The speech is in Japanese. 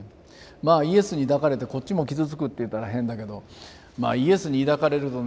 まあイエスに抱かれてこっちも傷つくっていったら変だけどまあイエスに抱かれるとね